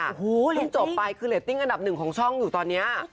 โอ้โหเหล็ดติ้งถึงจบไปคือเหล็ดติ้งอันดับหนึ่งของช่องอยู่ตอนนี้